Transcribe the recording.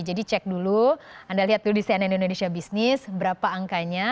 jadi cek dulu anda lihat dulu di cnn indonesia business berapa angkanya